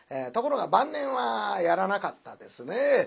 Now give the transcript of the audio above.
ところが晩年はやらなかったですね。